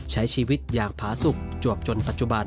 ใช้ชีวิตอย่างผาสุขจวบจนปัจจุบัน